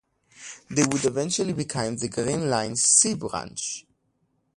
They would eventually become the Green Line "C" Branch.